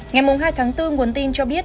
ngày hai tháng bốn nguồn tin cho biết